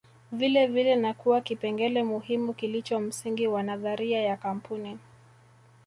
vilevile na kuwa kipengele muhimu kilicho msingi wa nadharia ya kampuni